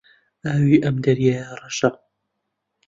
ئاوی ئەم دەریایە ڕەشە.